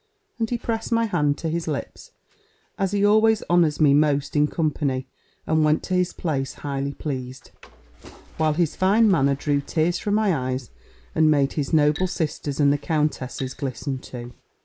And he pressed my hand to his lips, as he always honours me most in company and went to his place highly pleased; while his fine manner drew tears from my eyes, and made his noble sister's and the countess's glisten too.